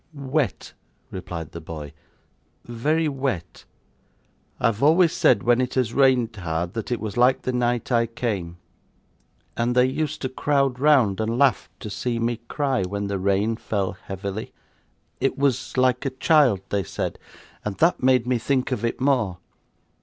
'Wet,' replied the boy. 'Very wet. I have always said, when it has rained hard, that it was like the night I came: and they used to crowd round and laugh to see me cry when the rain fell heavily. It was like a child, they said, and that made me think of it more.